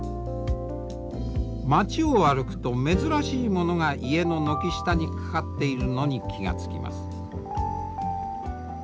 町を歩くと珍しいものが家の軒下に掛かっているのに気が付きます。